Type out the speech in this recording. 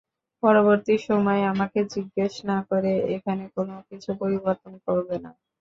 পরবর্তী সময়ে আমাকে জিজ্ঞেস না করে এখানে কোন কিছু পরিবর্তন করবে না,।